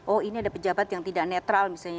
oh ini ada pejabat yang tidak netral misalnya